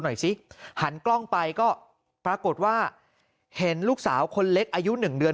หน่อยสิหันกล้องไปก็ปรากฏว่าเห็นลูกสาวคนเล็กอายุหนึ่งเดือน